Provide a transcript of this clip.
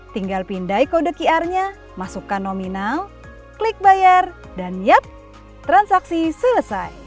tinggal pindai kode qr nya masukkan nominal klik bayar dan yap transaksi selesai